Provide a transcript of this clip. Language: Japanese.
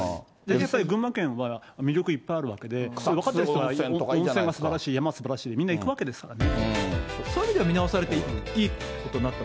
実際、群馬県は魅力いっぱいあるわけで、温泉がすばらしい、山すばらしい、みんな行くわけですからね。